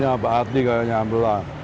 ini apa ati kayaknya alhamdulillah